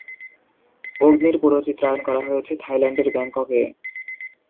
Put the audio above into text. অগ্নির পুরো চিত্রায়ন করা হয়েছে থাইল্যান্ডের ব্যাংককে।